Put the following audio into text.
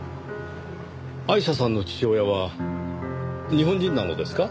アイシャさんの父親は日本人なのですか？